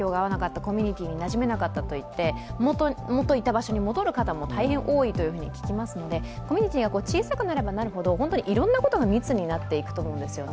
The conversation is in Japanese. コミュニティーになじめなかったと言って元いた場所に戻る方も大変多いと聞きますのでコミュニティーが小さくなればなるほどいろんことが密になると思うんですね。